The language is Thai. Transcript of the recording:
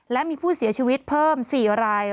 และมีผู้เสียชีวิตเพิ่ม๔ราย